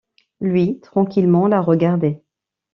Lui, tranquillement, la regardait.